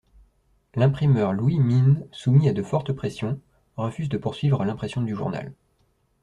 L'imprimeur Louis Minh, soumis à de fortes pressions, refuse de poursuivre l'impression du journal.